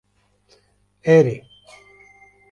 Erê.